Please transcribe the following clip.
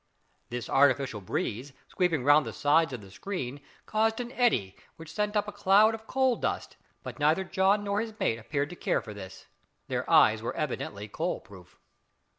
This artificial breeze, sweeping round the sides of the screen, caused an eddy which sent up a cloud of coal dust, but neither John nor his mate appeared to care for this. Their eyes were evidently coal proof.